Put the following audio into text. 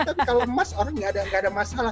tapi kalau emas orang nggak ada masalah